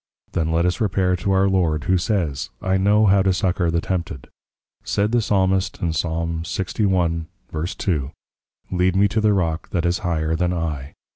Then let us Repair to our Lord, who says, I know how to succour the Tempted. Said the Psalmist, Psal. 61.2. _Lead me to the Rock that is higher than I.